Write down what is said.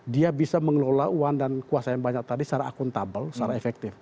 dia bisa mengelola uang dan kuasa yang banyak tadi secara akuntabel secara efektif